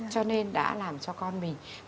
cho nên đã làm cho con mình